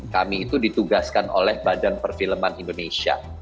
kami itu ditugaskan oleh badan perfilman indonesia